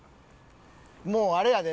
もうあれやで。